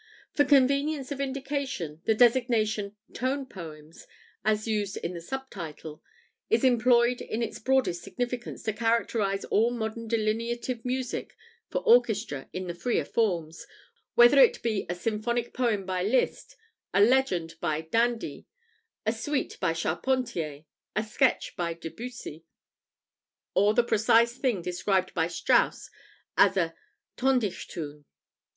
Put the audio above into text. For convenience of indication, the designation "tone poems," as used in the sub title, is employed in its broadest significance to characterize all modern delineative music for orchestra in the freer forms, whether it be a symphonic poem by Liszt, a "legend" by d'Indy, a suite by Charpentier, a "sketch" by Debussy, or the precise thing described by Strauss as a Tondichtung.